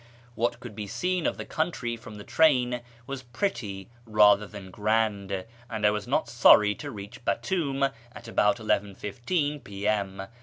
What could be seen of the country from the train was pretty rather than grand, and I was not sorry to reach Batoum at about 11.15 P.M.